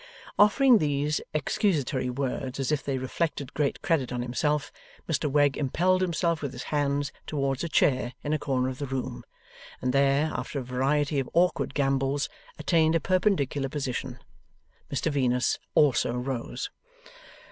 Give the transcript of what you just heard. Offering these excusatory words as if they reflected great credit on himself, Mr Wegg impelled himself with his hands towards a chair in a corner of the room, and there, after a variety of awkward gambols, attained a perpendicular position. Mr Venus also rose.